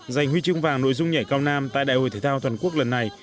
giành huy chương vàng nội dung nhảy cao nam tại đại hội thể thao toàn quốc lần này